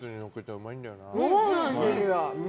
うまい！